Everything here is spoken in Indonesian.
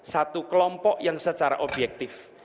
satu kelompok yang secara objektif